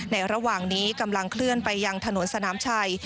ระหว่างนี้กำลังเคลื่อนไปยังถนนสนามชัย